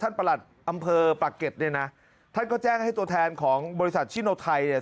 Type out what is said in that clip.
ประหลัดอำเภอปากเก็ตเนี่ยนะท่านก็แจ้งให้ตัวแทนของบริษัทชิโนไทยเนี่ย